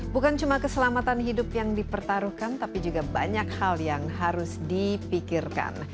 bukan cuma keselamatan hidup yang dipertaruhkan tapi juga banyak hal yang harus dipikirkan